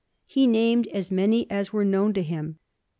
He named as many as were known to him.